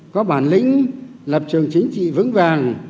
có bản lĩnh lập trường chính trị vững vàng